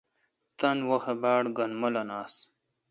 تان وحاؘ باڑ گین مولن آس۔